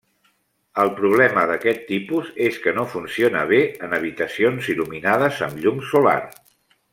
El problema d'aquest tipus és que no funciona bé en habitacions il·luminades amb llum solar.